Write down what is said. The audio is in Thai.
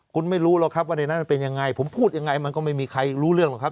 คุณไม่รู้หรอกครับว่าในนั้นเป็นยังไงผมพูดยังไงมันก็ไม่มีใครรู้เรื่องหรอกครับ